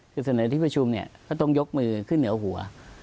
คือเสนอที่ประชุมเนี่ยก็ต้องยกมือขึ้นเหนือหัว